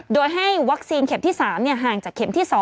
โดยให้วัคซีนเข็มที่๓ห่างจากเข็มที่๒